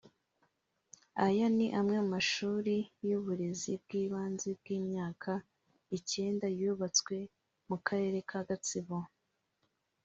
Aya ni amwe mu mashuri y’uburezi bw’ibanze bw’imyaka icyenda yubatswe mu karere ka Gatsibo